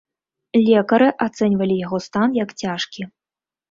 Лекары ацэньвалі яго стан як цяжкі.